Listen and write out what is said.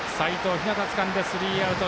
陽つかんで、スリーアウト。